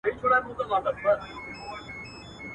چي که مړ سوم زه به څرنګه یادېږم؟.